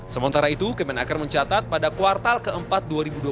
sementara itu kemenaker mencatat pada kuartal keempat dua ribu dua puluh